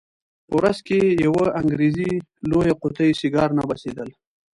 په ورځ کې یوه انګریزي لویه قطي سیګار نه بسېدل.